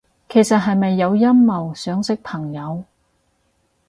其實係咪有陰謀，想識朋友？